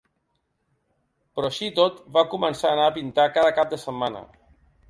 Però així i tot va començar a anar a pintar cada cap de setmana.